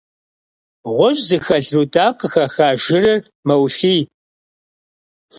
Ğuş' zıxelh rudam khıxaxa jjırır meulhiy.